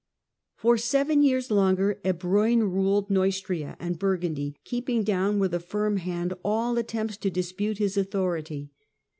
For seven years longer Ebroin ruled Neustria and Burgundy, keeping down with a firm hand all attempts to dispute his authority.